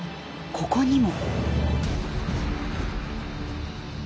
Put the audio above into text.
ここにも。